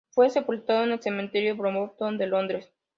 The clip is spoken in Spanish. Fue sepultado en el Cementerio Brompton de Londres.